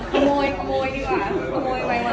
ข้อมูลดีกว่า